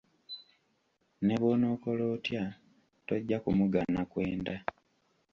Ne bw’onookola otya tojja kumugaana kwenda.